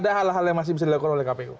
ada hal hal yang masih bisa dilakukan oleh kpu